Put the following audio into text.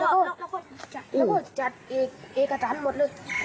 แล้วก็จัดเอกจรรย์หมดเลย